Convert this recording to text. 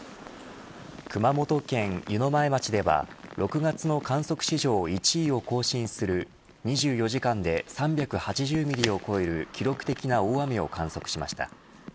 熊本県湯前町では６月の観測史上１位を更新する２４時間で３８０ミリを超える記録的な大雨を観測しました。